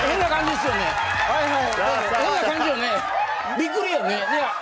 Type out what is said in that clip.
びっくりよね。